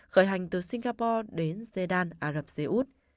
khởi hành từ singapore đến sedan ả rập xê út